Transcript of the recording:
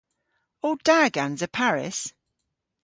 O da gansa Paris?